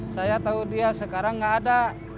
saya tau dia sekarang gak ada